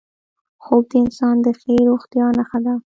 خوب د انسان د ښې روغتیا نښه ده